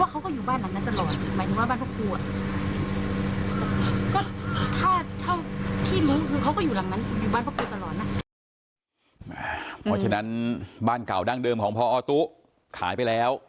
เพราะฉะนั้นบ้านเก่าดั้งเดิมของพอตุ๊ขายไปแล้ว